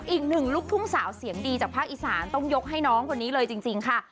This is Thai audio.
อีกหนึ่งลูกทุ่งสาวเสียงดีจากภาคอีสานต้องยกให้น้องคนนี้เลยจริงค่ะ